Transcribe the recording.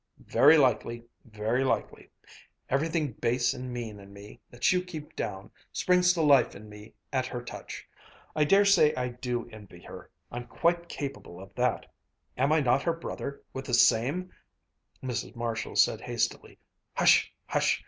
"Very likely. Very likely! everything base and mean in me, that you keep down, springs to life in me at her touch. I dare say I do envy her I'm quite capable of that am I not her brother, with the same " Mrs. Marshall said hastily: "Hush! Hush!